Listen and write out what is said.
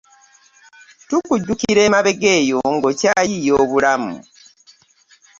Tukujjukira emabega eyo ng'okyayiiya obulamu.